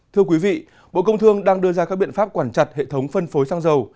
thưa quý vị bộ công thương đang đưa ra các biện pháp quản chặt hệ thống phân phối xăng dầu